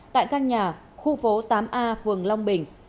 tại căn nhà khu phố tám a phường long bình